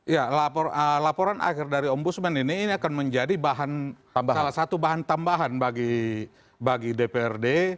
ya laporan akhir dari ombudsman ini akan menjadi bahan salah satu bahan tambahan bagi dprd